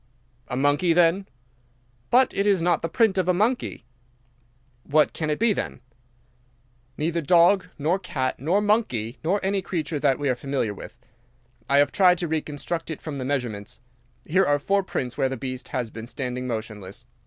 "A monkey, then?" "But it is not the print of a monkey." "What can it be, then?" "Neither dog nor cat nor monkey nor any creature that we are familiar with. I have tried to reconstruct it from the measurements. Here are four prints where the beast has been standing motionless.